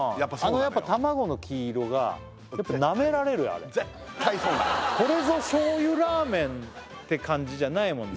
あの卵の黄色がやっぱりナメられるよあれ絶対そうなのこれぞ醤油ラーメンって感じじゃないもんね